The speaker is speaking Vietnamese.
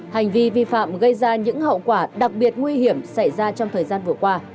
hành vi vi phạm gây ra những hậu quả đặc biệt nguy hiểm xảy ra trong thời gian vừa qua